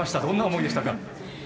どんな思いでしたか？